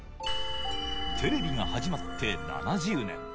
テレビが始まって７０年。